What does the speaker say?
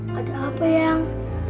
ada apa yang